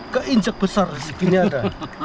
keinjak besar segini ada